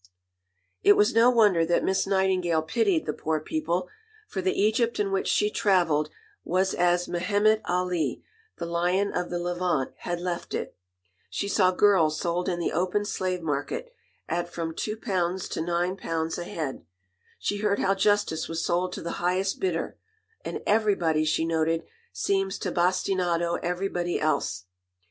It was no wonder that Miss Nightingale pitied the poor people; for the Egypt in which she travelled was as Mehemet Ali, the Lion of the Levant, had left it. She saw girls sold in the open slave market "at from £2 to £9 a head." She heard how justice was sold to the highest bidder; and "everybody," she noted, "seems to bastinado everybody else."